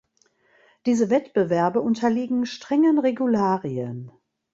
Diese Wettbewerbe unterliegen strengen Regularien.